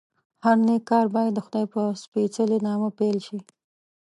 هر نېک کار باید دخدای په سپېڅلي نامه پیل شي.